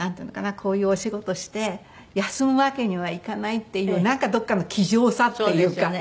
こういうお仕事して休むわけにはいかないっていうなんかどこかの気丈さっていうか。